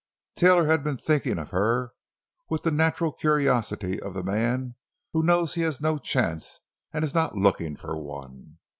Taylor had been thinking of her with the natural curiosity of the man who knows he has no chance and is not looking for one.